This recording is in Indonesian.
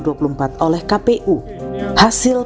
hasil pemilihan presiden dan pemilihan legislatif